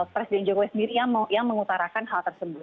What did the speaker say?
presiden jokowi sendiri yang mengutarakan hal tersebut